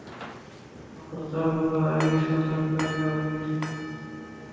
মাত্র চার বছর আগেই সাত লাখ টাকা ব্যয়ে সেতুটি সংস্কার করা হয়েছিল।